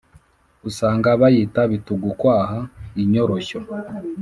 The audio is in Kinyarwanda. Usanga bayita bitugukwaha, inyoroshyo